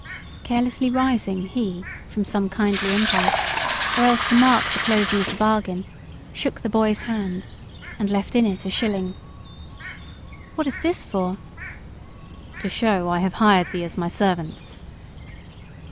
Carelessly rising, he, from some kindly impulse, or else to mark the closing of the bargain, shook the boy's hand, and left in it a shilling. "What is this for?" "To show I have hired thee as my servant."